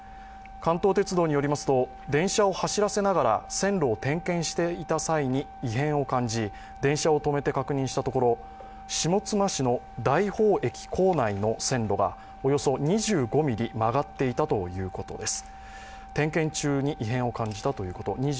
関東鉄道によりますと電車を走らせながら線路を点検していた際に異変を感じ、電車を止めて確認したところ下妻市の大宝駅構内の線路がおよそ２５ｍｍ曲がっていたということです。